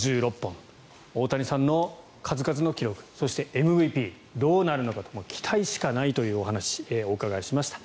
大谷さんの数々の記録そしてＭＶＰどうなるのかと期待しかないというお話お伺いしました。